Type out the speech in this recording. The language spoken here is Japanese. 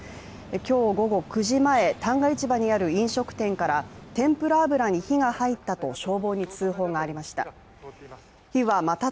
今日午後９時前、旦過市場にある飲食店から天ぷら油に火が入ったと消防に通報がありました。